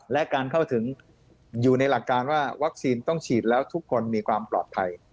และการเข้าถึงอยู่ในหลักการว่าวัคซีนต้องฉีดแล้วทุกคนมีความปลอดภัย